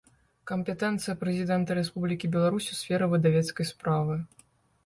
Кампетэнцыя Прэзiдэнта Рэспублiкi Беларусь у сферы выдавецкай справы